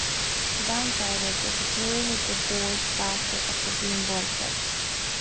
The downside was that the players hit the boards faster after being bodychecked.